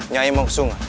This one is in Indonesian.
nyai mau ke sungai